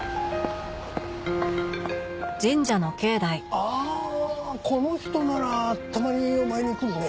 ああこの人ならたまにお参りに来るね。